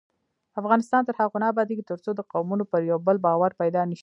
افغانستان تر هغو نه ابادیږي، ترڅو د قومونو پر یو بل باور پیدا نشي.